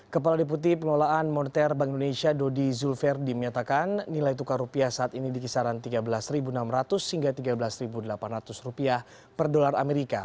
kepala deputi pengelolaan moneter bank indonesia dodi zulverdi menyatakan nilai tukar rupiah saat ini di kisaran tiga belas enam ratus hingga tiga belas delapan ratus per dolar amerika